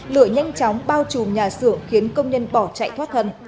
lửa nhanh chóng bao trùm nhà xưởng khiến công nhân bỏ chạy thoát thần